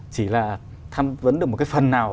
chỉ là tham vấn được một cái phần nào